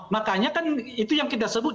makanya kan itu yang kita sebut